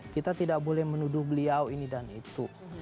kita tidak boleh menuduh beliau ini dan itu